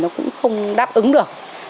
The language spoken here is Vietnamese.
nó cũng không đáp ứng được